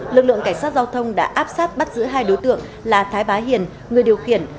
lực lượng cảnh sát giao thông đã áp sát bắt giữ hai đối tượng là thái bá hiền người điều khiển